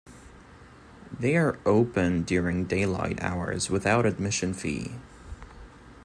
They are open during daylight hours without admission fee.